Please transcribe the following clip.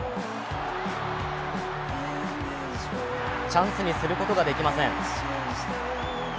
チャンスにすることができません。